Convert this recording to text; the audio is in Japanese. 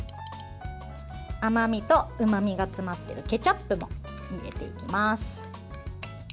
甘みとうまみが詰まってるケチャップも入れていきます。